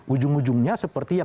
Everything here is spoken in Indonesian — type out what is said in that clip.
ujung ujungnya seperti yang